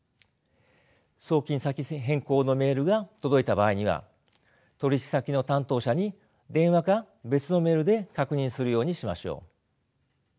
送金先変更のメールが届いた場合には取引先の担当者に電話か別のメールで確認するようにしましょう。